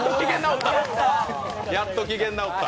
やっと機嫌直った。